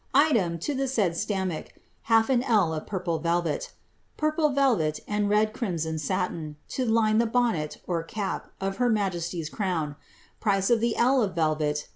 Item, to the said stammack, half an ell of purple velvet. Purple velvet, and red crimson satin, to line the bonnet (cap) of her ma jesty^ crown ; price of the ell of velvet, 16